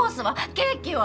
ケーキは！？